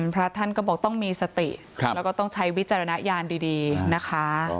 พระท่านก็บอกต้องมีสติแล้วก็ต้องใช้วิจารณญาณดีนะคะ